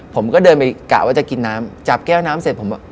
ผมก็เดินไปกะว่าจะกินน้ำจับแก้วน้ำเสร็จผมอ่ะ